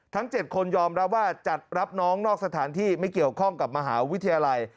ทั้ง๗คนยอมรับว่าจัดรับน้องนอกสถานที่ไม่เกี่ยวข้องกับมหาวิทยาลัย